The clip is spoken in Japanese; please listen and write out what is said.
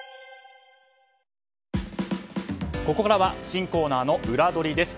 ここからは新コーナーのウラどりです。